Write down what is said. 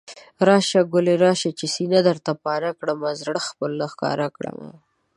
راشه ګلي راشه، چې سينه درته پاره کړمه، زړه خپل درښکاره کړمه